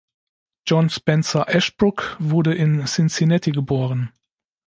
Jean Spencer Ashbrook wurde in Cincinnati geboren.